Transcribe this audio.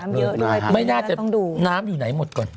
น้ำเยอะด้วยไม่น่าจะน้ำอยู่ไหนหมดก่อน